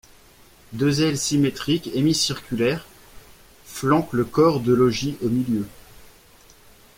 Deux ailes symétriques, hémicirculaires, flanquent le corps de logis au milieu.